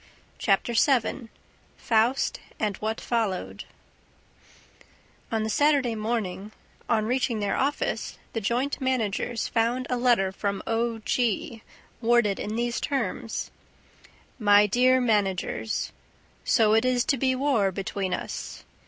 Chapter VII Faust and What Followed On the Saturday morning, on reaching their office, the joint managers found a letter from O. G. worded in these terms: MY DEAR MANAGERS: So it is to be war between us?